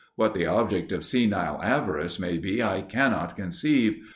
What the object of senile avarice may be I cannot conceive.